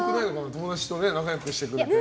友達と仲良くしてくれて。